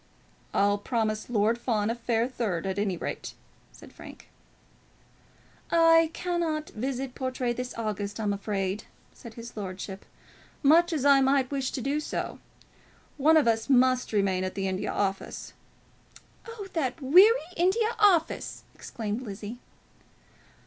"I'll promise Lord Fawn a fair third, at any rate," said Frank. "I cannot visit Portray this August, I'm afraid," said his lordship, "much as I might wish to do so. One of us must remain at the India Office " "Oh, that weary India Office!" exclaimed Lizzie.